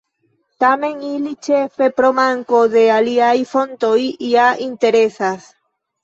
Tamen ili, ĉefe pro manko de aliaj fontoj, ja interesas.